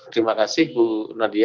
terima kasih bu nadia